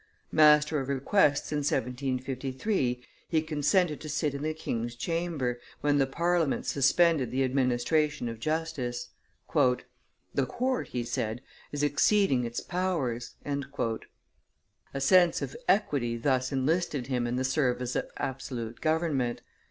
Master of requests in 1753, he consented to sit in the King's Chamber, when the Parliament suspended the administration of justice. "The Court," he said, "is exceeding its powers." A sense of equity thus enlisted him in the service of absolute government.